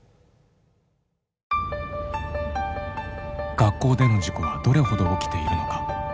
学校での事故はどれほど起きているのか。